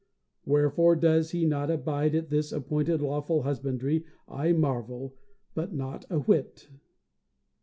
Wherefore does he not abide at this his appointed lawful husbandry, I marvel; but not a whit!